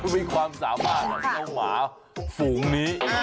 มีความสามารถที่ต้องหาฝูงนี้